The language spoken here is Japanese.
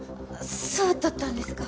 そうだったんですか。